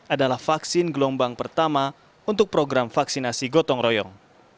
adalah vaksin gelombang pertama untuk program vaksinasi gotong royong